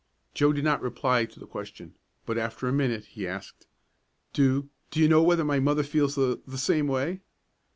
Joe did not reply to the question, but after a minute he asked, "Do do you know whether my mother feels the the same way?"